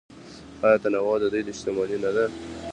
آیا تنوع د دوی شتمني نه ده؟